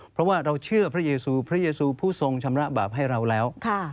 เพราะว่าเราเชื่อพระเยซูพระเยซูผู้ทรงชำระบาปให้เราแล้ว